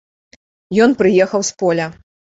Ён прыехаў з поля.